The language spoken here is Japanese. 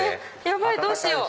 ヤバいどうしよう。